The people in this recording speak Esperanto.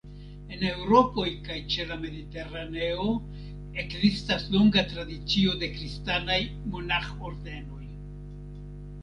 En Eŭropo kaj ĉe la Mediteraneo ekzistas longa tradicio de kristanaj monaĥ-ordenoj.